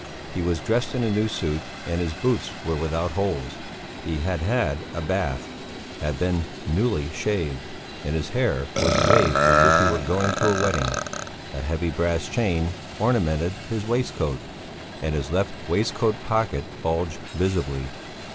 He was dressed in a new suit, and his boots were without holes; he had had a bath, had been newly shaved, and his hair was waved as if he were going to a wedding. A heavy brass chain ornamented his waistcoat, and his left waistcoat pocket bulged visibly.